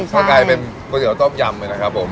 ก็กลายเป็นก๋วยเตี๋ยต้มยำไปนะครับผม